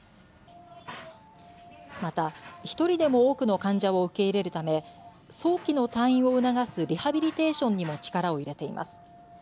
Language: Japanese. また、１人でも多くの患者を受け入れるため早期の退院を促すリハビリテーションにも力を入れています。